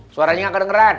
suaranya enggak kedengeran